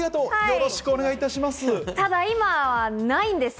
よろしくお願いします。